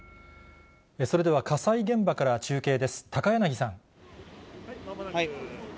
それでは火災現場から中継です。